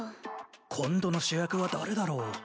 今度の主役は誰だろう？